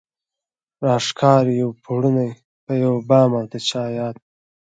راښکاري يو پړونی په يو بام او د چا ياد